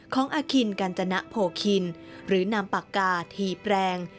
ของอคินกัญจนโภคินหรือนามปากกาที่แปลง